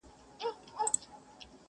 • ته پیسې کټه خو دا فکرونه مکړه.